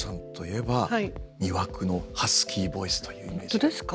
本当ですか？